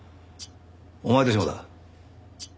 お前たちもだ。